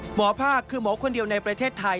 หมอภาคคือหมอคนเดียวในประเทศไทย